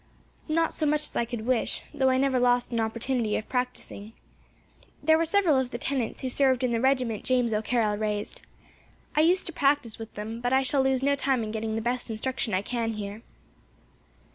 "Not so much as I could wish, though I never lost an opportunity of practising. There were several of the tenants who served in the regiment James O'Carroll raised. I used to practise with them, but I shall lose no time in getting the best instruction I can, here."